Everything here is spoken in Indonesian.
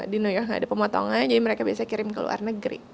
di new york nggak ada pemotongan jadi mereka biasanya kirim ke luar negeri